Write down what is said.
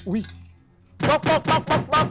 อุ้ยป๊อบ